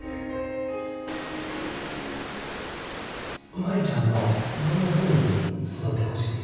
舞ちゃんはどんなふうに育ってほしい？